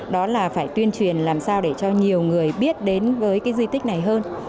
đó là phải tuyên truyền làm sao để cho nhiều người biết đến với cái di tích này hơn